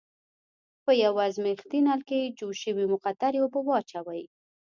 په یوه ازمیښتي نل کې جوش شوې مقطرې اوبه واچوئ.